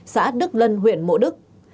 xã đức lân huyện mộ đức